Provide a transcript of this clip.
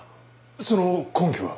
その根拠は？